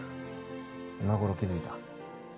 今頃気づいた？